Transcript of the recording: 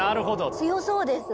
強そうです。